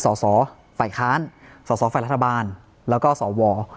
สสฝคสสฝรัฐบาลแล้วก็สว